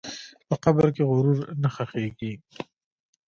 په قبر کې غرور نه ښخېږي.